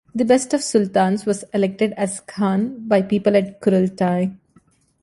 The best of sultans was elected as khan by people at Kurultai.